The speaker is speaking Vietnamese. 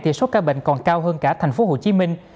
thì số ca bệnh còn cao hơn cả thành phố hồ chí minh